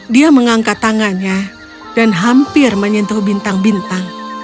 dia mengangkat tangannya dan hampir menyentuh bintang bintang